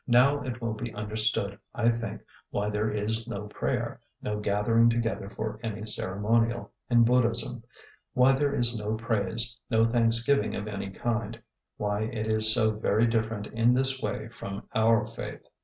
Now it will be understood, I think, why there is no prayer, no gathering together for any ceremonial, in Buddhism; why there is no praise, no thanksgiving of any kind; why it is so very different in this way from our faith.